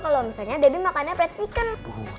kalau misalnya debbie makannya fried chicken